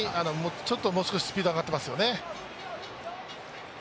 もう少しスピード上がってますよね。